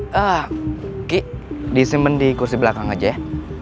geki disimpen di kursi belakang aja ya